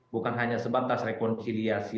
bukan hanya sebatas rekonsiliasi